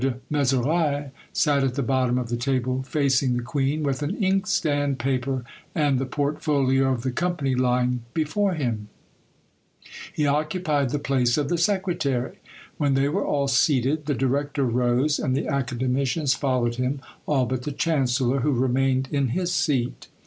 de Mezeray sat at the bottom of the table facing the queen, with an inkstand, paper, and the portfolio of the company lying before him: he occupied the place of the secretary. When they were all seated the director rose, and the academicians followed him, all but the chancellor, who remained in his seat.